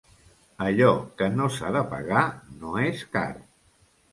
Allò que no s'ha de pagar, no és car.